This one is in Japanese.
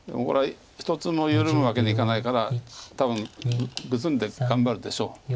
これは一つも緩むわけにいかないから多分グズんで頑張るでしょう。